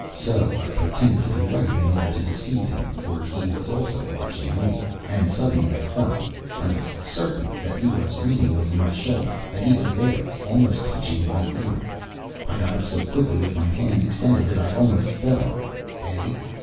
So I pretended to be writing in order to deceive him, for he also was watching me, and suddenly I felt, I was certain that he was reading over my shoulder, that he was there, almost touching my ear. I got up so quickly, with my hands extended, that I almost fell. Eh!